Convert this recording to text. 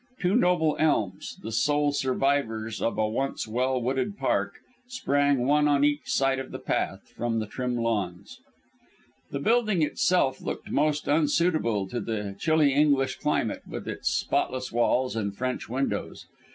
Two noble elms the sole survivors of a once well wooded park sprang one on each side of the path, from the trim lawns. The building itself looked most unsuitable to the chilly English climate, with its spotless walls and French windows.